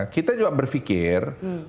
kita juga berpikir